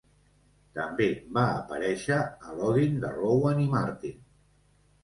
També va aparèixer a Laugh-in de Rowan i Martin.